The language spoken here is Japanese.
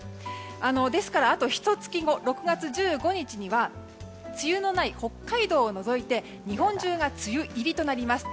ですから、あとひと月後６月１５日には梅雨のない北海道を除いて日本中が梅雨入りとなります。